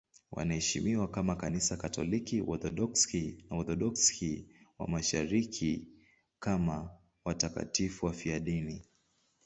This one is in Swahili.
Wanaheshimiwa na Kanisa Katoliki, Waorthodoksi na Waorthodoksi wa Mashariki kama watakatifu wafiadini.